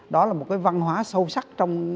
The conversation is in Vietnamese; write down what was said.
đó là một cái văn hóa sâu sắc